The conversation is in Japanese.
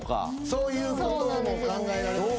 そういうことも考えられますよね